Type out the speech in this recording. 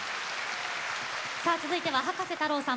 さあ続いては葉加瀬太郎さん